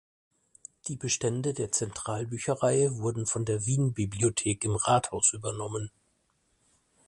Die Bestände der Zentralbücherei wurden von der Wienbibliothek im Rathaus übernommen.